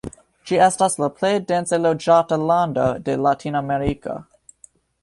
Ĝi estas la plej dense loĝata lando de Latinameriko.